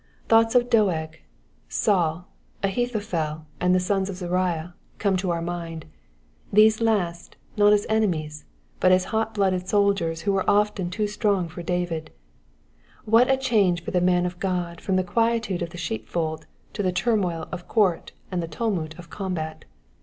Thoughts of Doeg, Saul, Ahithophel, and the sons of Zeruiah come to our mind, — these last, not as enemies, but as hot blooded soldiers who were often too strong for David. What a change for the man of Qod from the quietude of the sheepfold to the turmoil of court and the tumult of combat